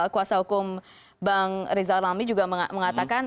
kuasa hukum bang rizal ramli juga mengatakan